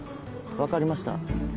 分かりました。